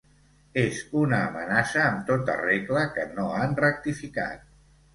És una amenaça amb tota regla que no han rectificat.